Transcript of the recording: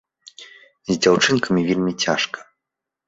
З дзяўчынкамі вельмі цяжка.